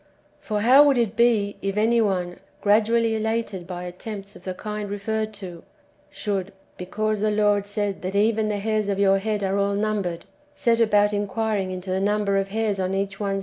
For how would it be, if any one, gradually elated by attempts of the kind referred to, should, because the Lord said that "even the hairs of your head are all numbered,"^ set about inquiring into the number of hairs on each one's ^ 1 Cor.